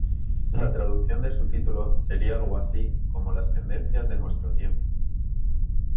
La traducción de su título seria algo así, como "Las tendencias de nuestro tiempo".